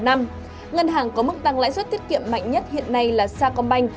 ngân hàng có mức tăng lãi suất tiết kiệm mạnh nhất hiện nay là sacombank